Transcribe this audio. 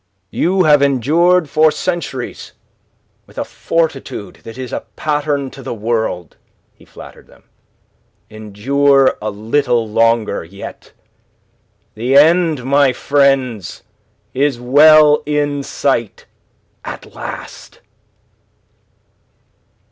"You have endured for centuries with a fortitude that is a pattern to the world," he flattered them. "Endure a little longer yet. The end, my friends, is well in sight at last."